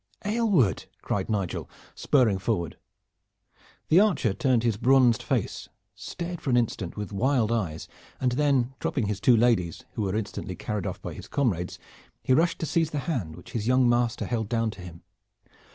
"Aylward!" cried Nigel, spurring forward. The archer turned his bronzed face, stared for an instant with wild eyes, and then, dropping his two ladies, who were instantly carried off by his comrades, he rushed to seize the hand which his young master held down to him.